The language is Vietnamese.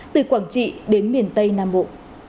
từ quảng trị đến miền tây nam bộ